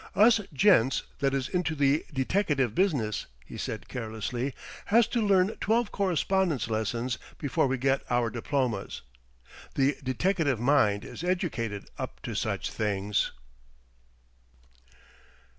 "Us gents that is into the deteckative business," he said carelessly, "has to learn twelve correspondence lessons before we get our diplomas. The deteckative mind is educated up to such things."